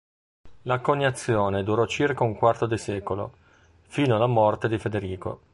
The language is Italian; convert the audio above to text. La coniazione durò circa un quarto di secolo, fino alla morte di Federico.